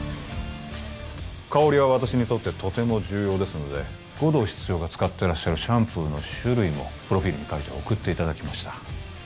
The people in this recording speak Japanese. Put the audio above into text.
香りは私にとってとても重要ですので護道室長が使ってらっしゃるシャンプーの種類もプロフィールに書いて送っていただきました